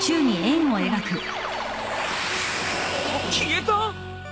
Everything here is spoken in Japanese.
消えた！？